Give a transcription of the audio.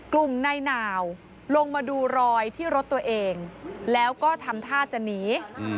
กลุ่มนายหนาวลงมาดูรอยที่รถตัวเองแล้วก็ทำท่าจะหนี